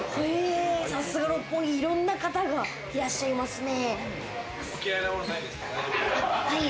さすが六本木、いろんな方がいらっしゃいますね。